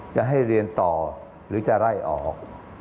จะให้เรียนต่อหรือจะไล่ออก